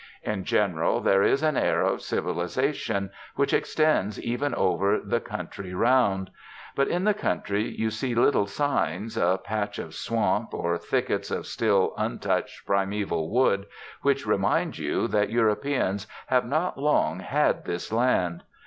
In general there is an air of civilisation, which extends even over the country round. But in the country you see little signs, a patch of swamp, or thickets of still untouched primaeval wood, which remind you that Europeans have not long had this land.